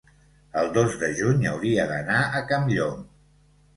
el dos de juny hauria d'anar a Campllong.